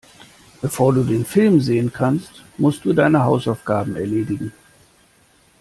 Bevor du den Film sehen kannst, musst du deine Hausaufgaben erledigen.